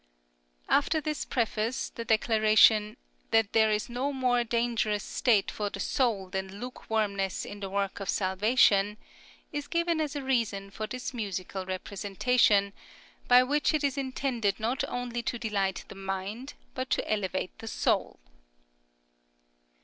[See Page Image] After this preface, the declaration "that there is no more dangerous state for the soul than lukewarmness in the work of salvation" is given as a reason for this musical representation "by which it is intended not only to delight the mind but to elevate the soul."